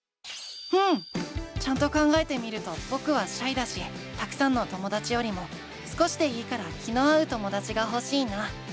うん！ちゃんと考えてみるとぼくはシャイだしたくさんのともだちよりも少しでいいから気の合うともだちがほしいな。